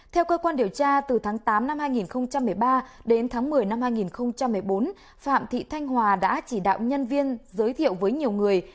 theo cơ quan điều tra từ tháng tám năm hai nghìn một mươi ba đến tháng một mươi năm hai nghìn một mươi bốn phạm thị thanh hòa đã chỉ đạo nhân viên giới thiệu với nhiều người